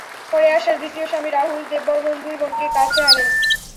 পরে আশার দ্বিতীয় স্বামী রাহুল দেব বর্মণ দুই বোনকে কাছে আনেন।